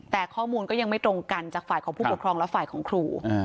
แต่ข้อมูลก็ยังไม่ตรงกันจากฝ่ายของผู้ปกครองและฝ่ายของครู